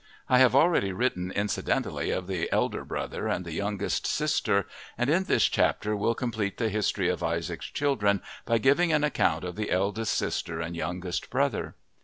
I have already written incidentally of the elder brother and the youngest sister, and in this chapter will complete the history of Isaac's children by giving an account of the eldest sister and youngest brother.